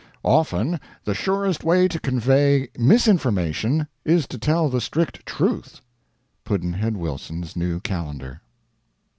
Often, the surest way to convey misinformation is to tell the strict truth. Pudd'nhead Wilson's New Calendar.